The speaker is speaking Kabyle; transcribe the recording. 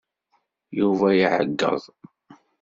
Yuba iɛeyyeḍ.